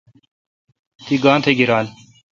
تی گاتھ گیرال۔